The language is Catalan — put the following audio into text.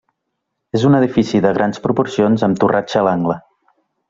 És un edifici de grans proporcions amb torratxa a l'angle.